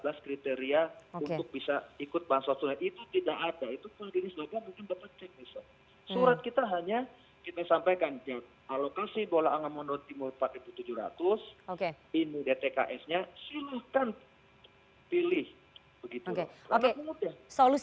dan kita akan lanjutkan perbincangan kita